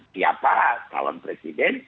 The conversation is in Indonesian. siapa calon presiden dan